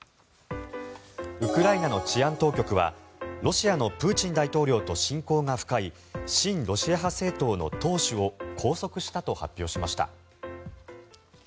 ウクライナの治安当局はロシアのプーチン大統領と親交が深い親ロシア派政党の党首を拘束したと発表しました。